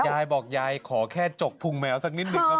ยายบอกยายขอแค่จกพุงแมวสักนิดหนึ่งครับ